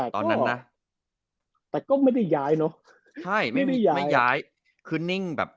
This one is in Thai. ตอนนั้นนะแต่ก็ไม่ได้ย้ายเนอะใช่ไม่ได้ย้ายไม่ย้ายคือนิ่งแบบ